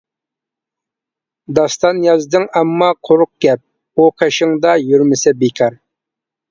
داستان يازدىڭ ئەمما قۇرۇق گەپ، ئۇ قېشىڭدا يۈرمىسە بىكار.